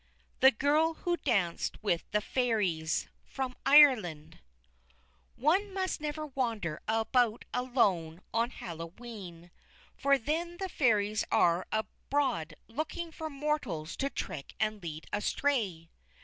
THE GIRL WHO DANCED WITH THE FAIRIES From Ireland One must never wander about alone on Hallowe'en, for then the Fairies are abroad looking for mortals to trick and lead astray.